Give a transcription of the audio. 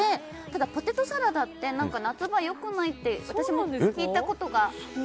ただ、ポテトサラダって夏場、良くないって私も聞いたことが。